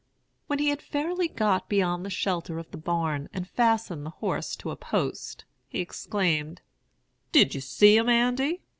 "When he had fairly got beyond the shelter of the barn, and fastened the horse to a post, he exclaimed, 'Did you see him, Andy?